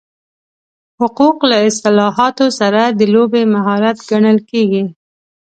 حقوق له اصطلاحاتو سره د لوبې مهارت ګڼل کېږي.